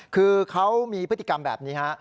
คือเขามีพฤติกรรมแบบนี้ฮะ